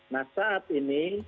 nah saat ini